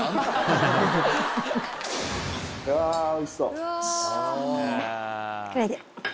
うわおいしそう。